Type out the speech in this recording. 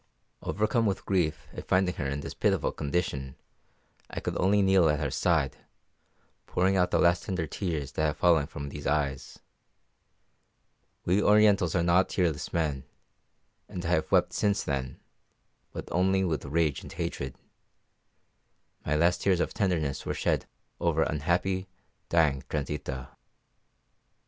Overcome with grief at finding her in this pitiful condition, I could only kneel at her side, pouring out the last tender tears that have fallen from these eyes. We Orientals are not tearless men, and I have wept since then, but only with rage and hatred. My last tears of tenderness were shed over unhappy, dying Transita.